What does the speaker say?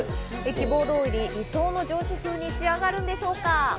希望通り、理想の上司風に仕上がるんでしょうか。